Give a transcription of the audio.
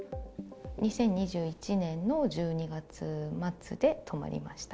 ２０２１年の１２月末で止まりました。